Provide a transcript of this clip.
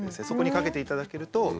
そこにかけていただけると。